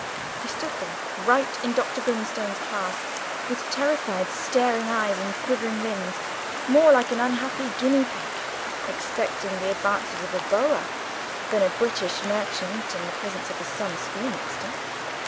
He stood there, right in Dr. Grimstone's path, with terrified starting eyes and quivering limbs, more like an unhappy guinea pig expecting the advances of a boa, than a British merchant in the presence of his son's schoolmaster!